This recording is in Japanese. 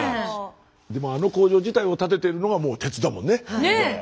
でもあの工場自体を建ててるのがもう鉄だもんね。